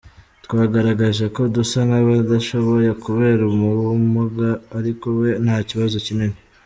twagaragaje ko dusa nkabadashoboye kubera ubumuga, ariko we nta kibazo kinini.